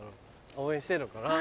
応援してんのかな。